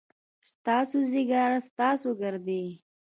ستاسو ځيګر ، ستاسو ګردې ،